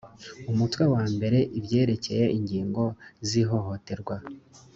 umutwe wa mbere ibyerekeye ingingo zihohoterwa